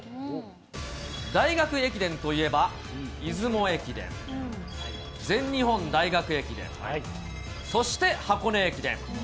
大学駅伝といえば、出雲駅伝、全日本大学駅伝、そして箱根駅伝。